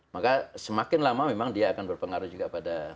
maka semakin lama memang dia akan berpengaruh juga pada